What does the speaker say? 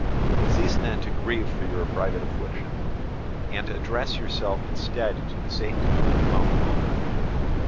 Cease then to grieve for your private afflictions, and address yourselves instead to the safety of the commonwealth.